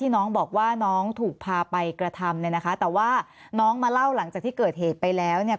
น้องบอกว่าน้องถูกพาไปกระทำเนี่ยนะคะแต่ว่าน้องมาเล่าหลังจากที่เกิดเหตุไปแล้วเนี่ย